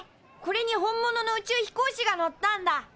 これに本物の宇宙飛行士が乗ったんだ！